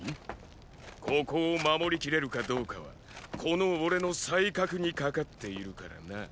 ここを守りきれるかどうかはこの俺の才覚にかかっているからな。